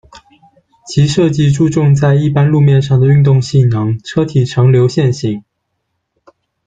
其设计注重在一般路面上的运动性能，车体呈流线型。